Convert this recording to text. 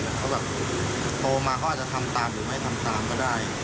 แล้วเขาแบบโตมาเขาอาจจะทำตามหรือไม่ทำตามก็ได้